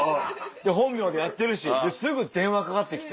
本名でやってるしですぐ電話かかってきて。